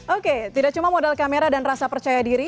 oke tidak cuma modal kamera dan rasa percaya diri